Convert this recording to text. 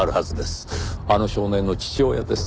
あの少年の父親です。